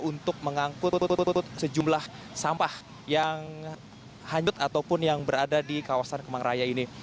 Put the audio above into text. untuk mengangkut sejumlah sampah yang hanyut ataupun yang berada di kawasan kemang raya ini